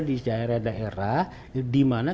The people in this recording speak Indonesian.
di daerah daerah dimana